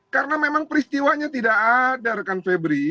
karena memang peristiwanya tidak ada rekan febri